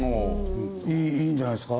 いいいいんじゃないですか。